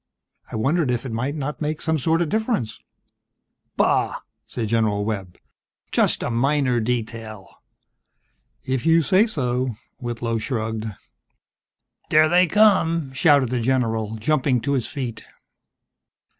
I wondered if it might not make some sort of difference?" "Bah!" said General Webb. "Just a minor detail." "If you say so," Whitlow shrugged. "There they come!" shouted the general, jumping to his feet.